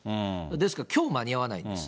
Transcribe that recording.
ですから、きょう間に合わないんです。